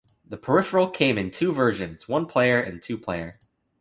The peripheral came in two versions: one player and two-player.